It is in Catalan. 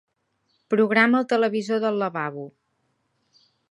Programa el televisor del lavabo.